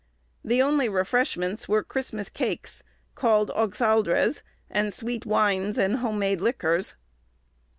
The only refreshments were Christmas cakes, called oxaldres, and sweet wines, and home made liquors.